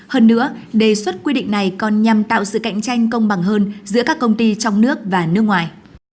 hơn nữa đề xuất quy định này còn nhằm tạo sự cạnh tranh công bằng hơn giữa các công ty trong nước và nước ngoài